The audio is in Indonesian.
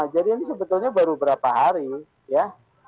jadi ini sebetulnya baru berapa hari ya